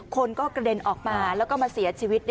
คนก็กระเด็นออกมาแล้วก็มาเสียชีวิต